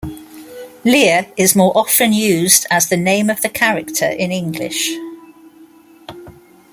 Lir is more often used as the name of the character in English.